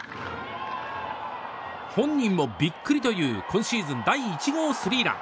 本人もビックリという今シーズン第１号スリーラン。